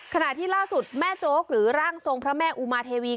ขณะที่ล่าสุดแม่โจ๊กหรือร่างทรงพระแม่อุมาเทวี